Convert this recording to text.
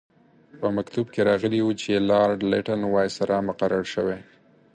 په مکتوب کې راغلي وو چې لارډ لیټن وایسرا مقرر شوی.